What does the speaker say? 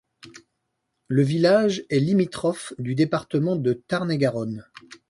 Le village est limitrophe du département de Tarn-et-Garonne.